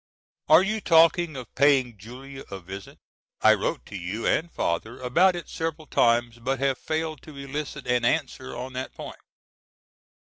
Are you talking of paying Julia a visit? I wrote to you and father about it several times but have failed to elicit an answer on that point.